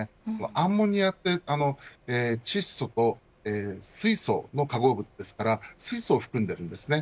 アンモニアは窒素と水素の化合物ですから水素を含んでいるんですね。